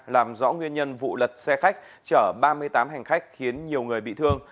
làm rõ nguyên nhân vụ lật xe khách chở ba mươi tám hành khách khiến nhiều người bị thương